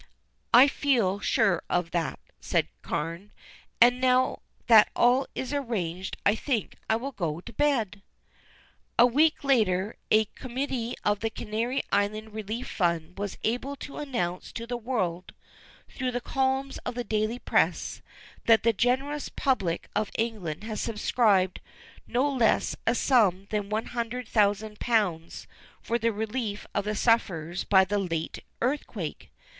"I feel sure of that," said Carne, "and now that all is arranged I think I will go to bed." A week later a committee of the Canary Island Relief Fund was able to announce to the world, through the columns of the Daily Press, that the generous public of England had subscribed no less a sum than one hundred thousand pounds for the relief of the sufferers by the late earthquake.